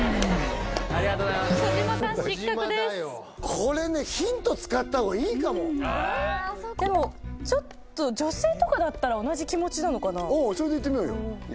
これねヒント使った方がいいかもでもちょっと女性とかだったら同じ気持ちなのかなおうそれでいってみようよい